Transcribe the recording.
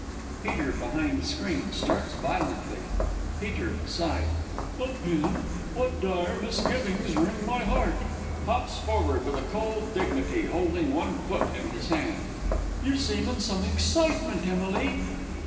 [PETER behind screen, starts violently. Peter (aside). A pin! what dire misgivings wring my heart! [Hops forward with a cold dignity, holding one foot in his hand. You seem in some excitement, Emily?